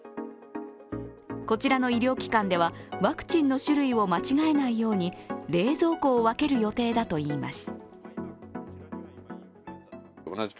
こちらの医療機関ではワクチンの種類を間違えないように冷蔵庫を分ける予定だといいます。